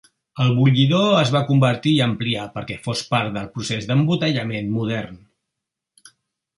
El bullidor es va convertir i ampliar perquè fos part del procés d'embotellament modern.